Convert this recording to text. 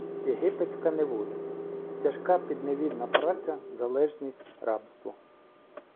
Єгипетська неволя - тяжка підневільна праця, залежність, рабство